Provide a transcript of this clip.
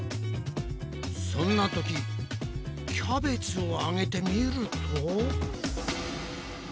そんなときキャベツをあげてみると。